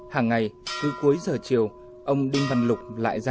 hàng ngày cứ cuối giờ chiều ông đinh văn lục lại ra